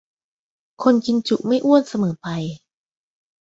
คนกินจุไม่อ้วนเสมอไป